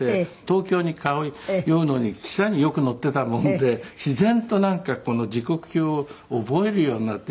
東京に通うのに汽車によく乗っていたもので自然となんかこの時刻表を覚えるようになってしまって。